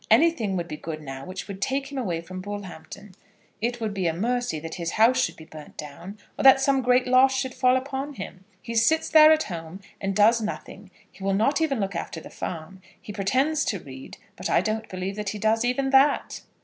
Anything would be good now which would take him away from Bullhampton. It would be a mercy that his house should be burned down, or that some great loss should fall upon him. He sits there at home, and does nothing. He will not even look after the farm. He pretends to read, but I don't believe that he does even that."